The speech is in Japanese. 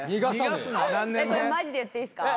これマジで言っていいですか？